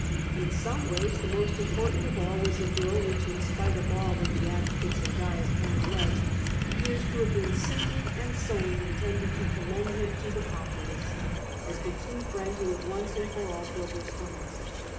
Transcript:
In some ways the most important of all was a bill which (in spite of all that the advocates of Cains can allege) THE CORN DOLE INSTITUTED 59 appears to liave been simply and solely intended to com mend him to the populace, as the true friend who had once and for all filled their stomachs.